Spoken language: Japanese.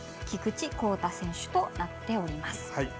菊池耕太選手となっています。